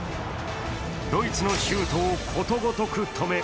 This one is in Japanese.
ドイツのシュートをことごとく止め